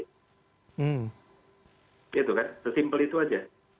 itu kan sesimpel itu aja